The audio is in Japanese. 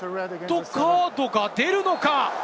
レッドカードが出るのか？